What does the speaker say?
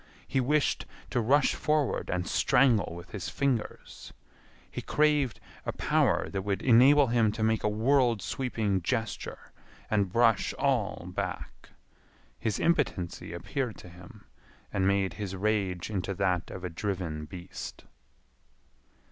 He wished to rush forward and strangle with his fingers. He craved a power that would enable him to make a world sweeping gesture and brush all back. His impotency appeared to him, and made his rage into that of a driven beast.